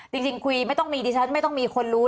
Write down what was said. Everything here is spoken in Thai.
จริงคุยไม่ต้องมีดิฉันไม่ต้องมีคนรู้